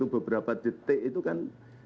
beberapa detik itu kan